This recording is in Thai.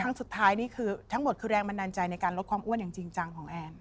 ครั้งสุดท้ายนี่คือทั้งหมดคือแรงบันดาลใจในการลดความอ้วนอย่างจริงจังของแอน